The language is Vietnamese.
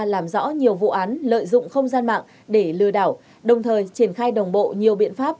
làm rõ nhiều vụ án lợi dụng không gian mạng để lừa đảo đồng thời triển khai đồng bộ nhiều biện pháp